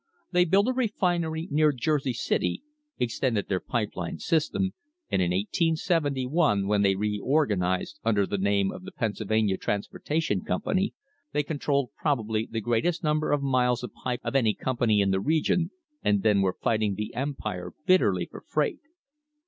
They built a refinery near Jersey City, extended their pipe line system, and in 1871, THE HISTORY OF THE STANDARD OIL COMPANY when they reorganised under the name of the Pennsylvania Transportation Company, they controlled probably the great est number of miles of pipe of any company in the region, and then were righting the Empire bitterly for freight.